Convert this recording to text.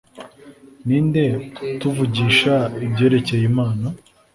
ninde utuvugisha ibyerekeye imana